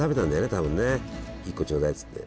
多分ね一個ちょうだいっつって。